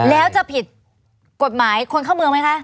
แล้วจะผิดกฎหมายคนเข้าเมืองไหมคะ